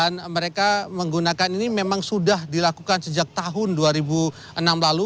dan mereka menggunakan ini memang sudah dilakukan sejak tahun dua ribu enam lalu